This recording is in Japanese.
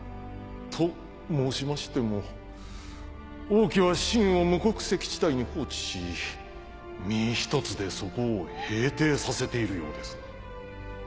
と申しましても王騎は信を無国籍地帯に放置し身一つでそこを平定させているようです。